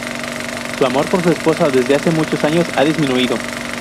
Su amor por su esposa desde hace muchos años ha disminuido.